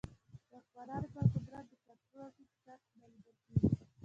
د واکمنانو پر قدرت د کنټرول هېڅ څرک نه لیدل کېږي.